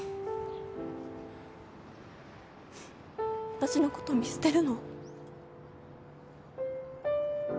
「私のこと見捨てるの？」